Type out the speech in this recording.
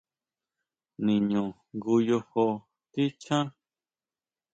¿Niñu ngoyo tichján?